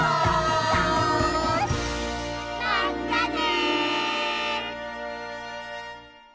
まったね！